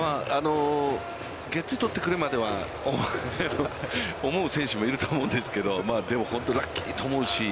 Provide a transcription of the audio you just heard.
ゲッツー取ってくれまでは思う選手もいると思うんですけれども、でも本当にラッキーと思うし。